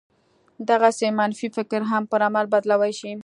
دغسې منفي فکر هم پر عمل بدلولای شي